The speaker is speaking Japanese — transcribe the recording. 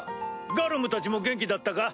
ガルムたちも元気だったか？